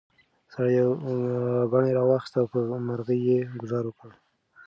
سړي یو کاڼی راواخیست او په مرغۍ یې ګوزار وکړ.